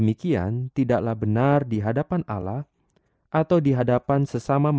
pada engkau juru selamat